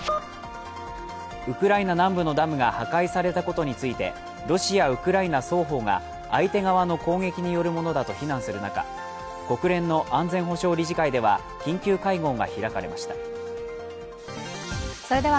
ウクライナ南部のダムが破壊されたことについて、ロシア・ウクライナ双方が相手側の攻撃によるものだと非難する中国連の安全保障理事会では緊急会合が開かれました。